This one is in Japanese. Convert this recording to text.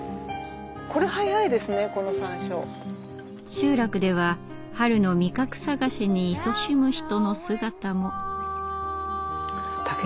集落では春の味覚探しにいそしむ人の姿も。